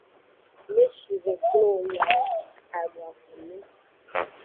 Ne shive glo wo nyawo, adu akume.